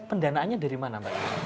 pendanaannya dari mana